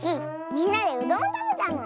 みんなでうどんをたべたの！